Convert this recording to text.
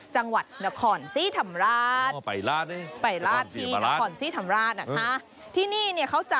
จังหวัดนครศรีธรรมราช